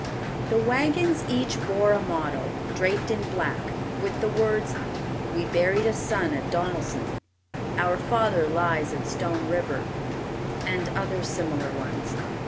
The wagons each bore a motto, draped in black, with the words, "We buried a son at Donelson," "Our father lies at Stone River," and other similar ones.